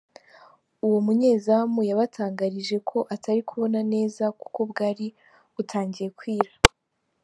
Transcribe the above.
Uwo munyezamu yabatangarije ko atari kubona neza kuko bwari butangiye kwira.